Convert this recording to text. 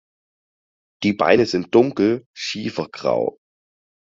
Die Beine sind dunkel schiefergrau.